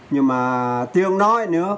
nhưng mà tiếng nói nữa